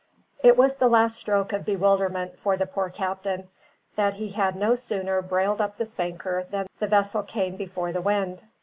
It was the last stroke of bewilderment for the poor captain, that he had no sooner brailed up the spanker than the vessel came before the wind.